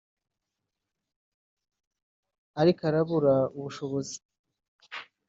ariko arabura ubushobozi